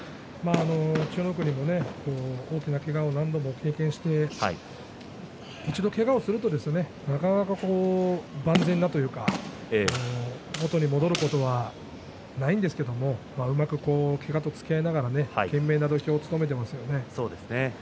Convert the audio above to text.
千代の国も大きなけがを何度も経験して一度けがをするとですねなかなか万全なというか元に戻ることはないんですけれどもうまくけがとつきあいながら懸命な土俵を務めていますよね。